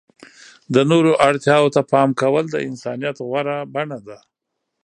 د نورو اړتیاوو ته پام کول د انسانیت غوره بڼه ده.